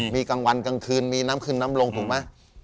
มีกลางวันกลางคืนมีน้ำขึ้นน้ำลงถูกไหม